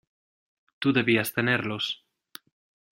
tú debías tenerlos...